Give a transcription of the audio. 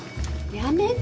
やめてよ！